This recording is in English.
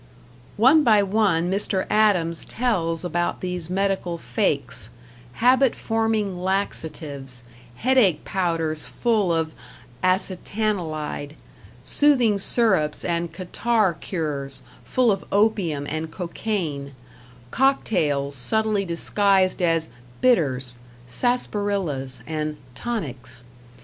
One by one Mr. Adams tells about these medical fakes: habit forming laxatives, head ache powders full of acetanilid, soothing syrups and catarrh cures full of opium and cocaine, cock tails subtly disguised as "bitters", "sarsaparillas", and "tonics".